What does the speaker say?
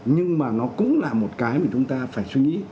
nhưng mà nó cũng là một cái mà chúng ta phải suy nghĩ